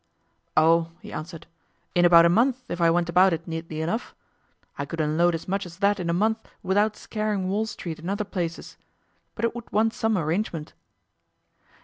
'Oh!' he answered, 'in about a month, if I went about it neatly enough. I could unload as much as that in a month without scaring Wall Street and other places. But it would want some arrangement.